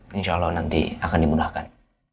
insya allah nanti akan dimudahkan